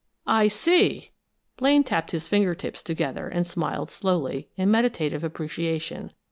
"I see!" Blaine tapped his finger tips together and smiled slowly, in meditative appreciation.